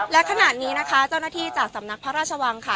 และขณะนี้นะคะเจ้าหน้าที่จากสำนักพระราชวังค่ะ